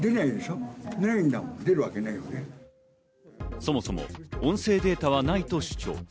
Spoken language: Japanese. そもそも音声データはないと主張。